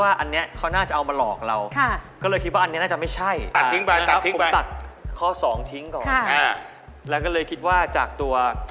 อันนี้นุ่มนะครับเหมือนเป็นผ้า